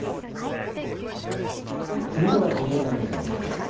続いてはこちらのニュースまいりましょう。